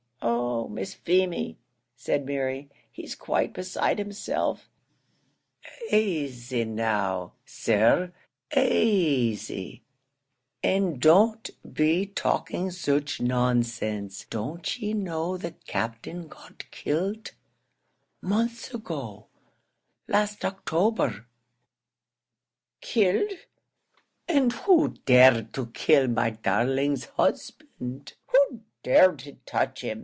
"Oh, Miss Feemy," said Mary, "he's quite beside himself; asy now, sir, asy, and don't be talking such nonsense; don't ye know the Captain got kilt months ago last October?" "Killed and who dared to kill my darling's husband? who'd dare to touch him?